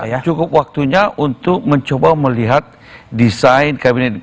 ya cukup waktunya untuk mencoba melihat desain kabinet